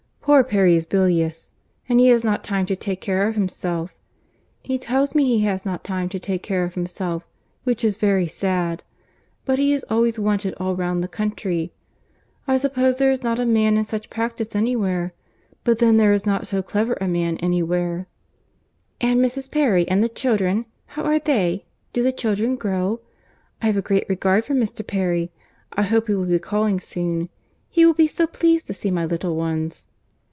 Poor Perry is bilious, and he has not time to take care of himself—he tells me he has not time to take care of himself—which is very sad—but he is always wanted all round the country. I suppose there is not a man in such practice anywhere. But then there is not so clever a man any where." "And Mrs. Perry and the children, how are they? do the children grow? I have a great regard for Mr. Perry. I hope he will be calling soon. He will be so pleased to see my little ones."